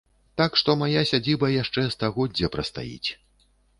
Так што мая сядзіба яшчэ стагоддзе прастаіць.